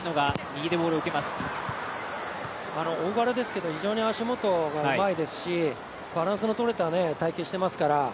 大柄ですが非常に足元がうまいですしバランスのとれた体型をしていますから。